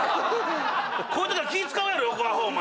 こういうときは気ぃ使うやろ横アホお前！